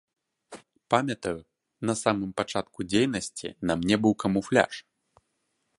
Памятаю, на самым пачатку дзейнасці на мне быў камуфляж.